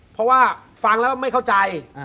เพราะว่าฟังแล้วไม่เข้าใจ